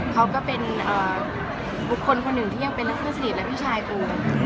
เขาก็เป็นคนหนึ่งที่ยังเป็นนักศักดิ์สิทธิ์และพี่ชายกู